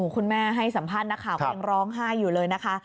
คุณแม่ให้สัมภาษณ์นักข่าวก็ยังร้องไห้อยู่เลยนะคะ